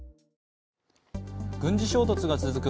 軍事衝突が続く